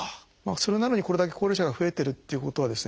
それなのにこれだけ高齢者が増えてるっていうことはですね